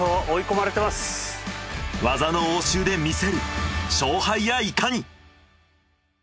技の応酬でみせる勝敗やいかに？